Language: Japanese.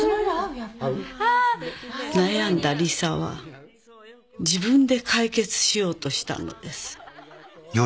「悩んだリサは自分で解決しようとしたのです」